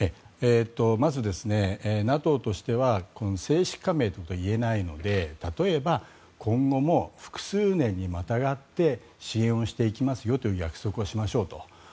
まず、ＮＡＴＯとしては正式加盟といえないので例えば今後も複数年にまたがって支援をしていきますよという約束をしましょうと。